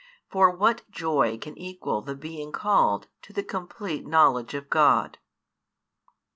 |329 For what joy can equal the being called to the complete knowledge of God?